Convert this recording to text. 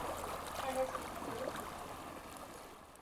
Can it improve?